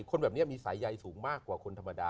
คนแบบนี้มีสายใยสูงมากกว่าคนธรรมดา